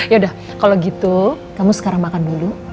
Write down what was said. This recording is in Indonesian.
yaudah kalo gitu kamu sekarang makan dulu